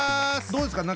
どうですか？